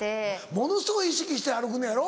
ものすごい意識して歩くのやろ？